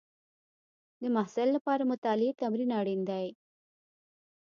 د محصل لپاره مطالعې تمرین اړین دی.